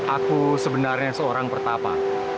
aku sebenarnya seorang pertapa